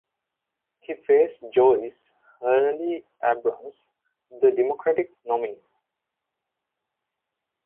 He faced Joyce Healy-Abrams, the Democratic nominee.